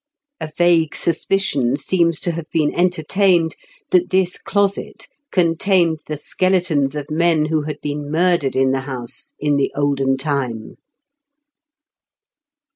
A vague suspicion seems to have been entertained that this closet contained the skeletons of men who had been murdered in the house in the olden time.